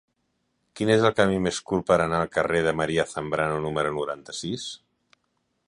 Quin és el camí més curt per anar al carrer de María Zambrano número noranta-sis?